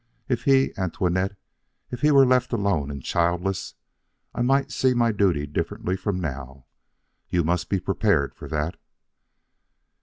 If he Antoinette, if he were left alone and childless, I might see my duty differently from now. You must be prepared for that."